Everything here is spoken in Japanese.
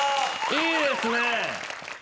いいですね。